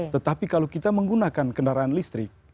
tetapi kalau kita menggunakan kendaraan listrik